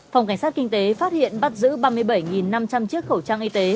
phòng cảnh sát kinh tế phát hiện bắt giữ ba mươi bảy năm trăm linh chiếc khẩu trang y tế